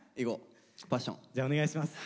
じゃあお願いします。